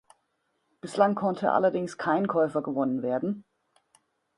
Bislang konnte allerdings kein Käufer gewonnen werden.